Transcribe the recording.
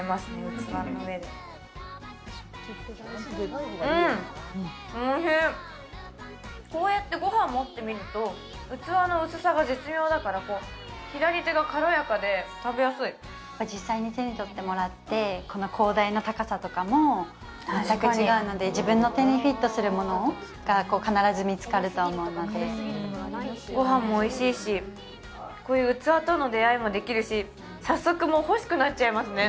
器の上でうんおいしいこうやってごはん盛ってみると器の薄さが絶妙だから左手が軽やかで食べやすい実際に手に取ってもらってこの高台の高さとかも全く違うので自分の手にフィットするものが必ず見つかると思うのでごはんもおいしいしこういう器との出会いもできるし早速もう欲しくなっちゃいますね